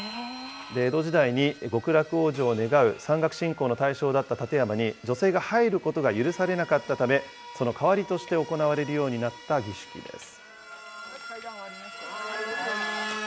江戸時代に極楽往生を願う山岳信仰の対象だった立山に、女性が入ることが許されなかったため、そのかわりとして行われるようになった儀式です。